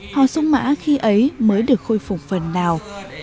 hò sông mã khi ấy mới được khôi phục phần nào